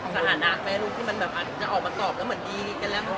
สถานะไม่รู้ว่ามันออกมาตอบแล้วเหมือนดีกันแล้ว